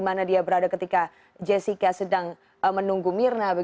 mana dia berada ketika jessica sedang menunggu mirna